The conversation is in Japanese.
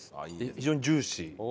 非常にジューシー。